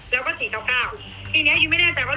แล้วก็๔เท่า๙ที่นี้ยังไม่แน่ใจว่า